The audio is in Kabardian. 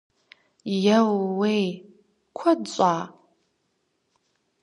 Еууей! Куэд щӏа?